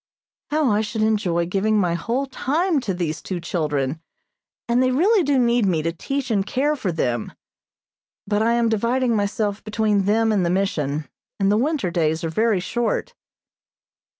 How I should enjoy giving my whole time to these two children, and they really do need me to teach and care for them; but I am dividing myself between them and the Mission, and the winter days are very short.